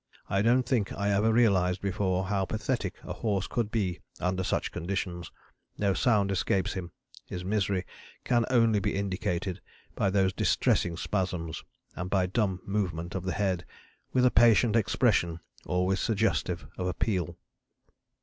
I don't think I ever realized before how pathetic a horse could be under such conditions; no sound escapes him, his misery can only be indicated by those distressing spasms and by dumb movement of the head with a patient expression always suggestive of appeal."